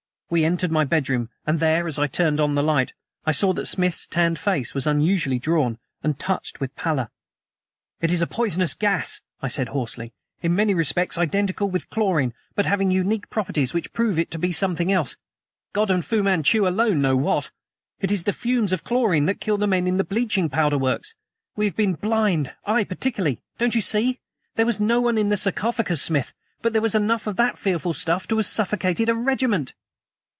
We entered my bedroom, and there, as I turned on the light, I saw that Smith's tanned face was unusually drawn, and touched with pallor. "It is a poisonous gas!" I said hoarsely; "in many respects identical with chlorine, but having unique properties which prove it to be something else God and Fu Manchu, alone know what! It is the fumes of chlorine that kill the men in the bleaching powder works. We have been blind I particularly. Don't you see? There was no one in the sarcophagus, Smith, but there was enough of that fearful stuff to have suffocated a regiment!"